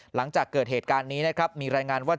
หลังจากเกิดเหตุการณ์นี้นะครับมีรายงานว่า